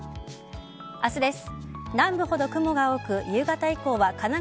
明日です。